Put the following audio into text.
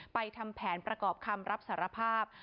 ทำแผนประกอบคำรับสารภาพ